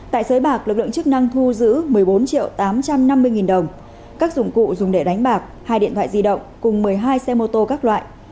tại sới bạc lực lượng chức năng thu giữ một mươi bốn triệu tám trăm năm mươi nghìn đồng các dụng cụ dùng để đánh bạc hai điện thoại di động cùng một mươi hai xe mô tô các loại